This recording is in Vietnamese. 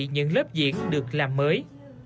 những lớp diễn được làm mới